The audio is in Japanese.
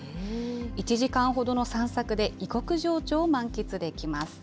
１時間ほどの散策で、異国情緒を満喫できます。